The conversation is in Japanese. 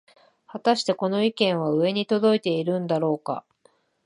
はたしてこの意見は上に届いているんだろうか